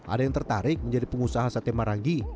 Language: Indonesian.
ada yang tertarik menjadi pengusaha sate marangi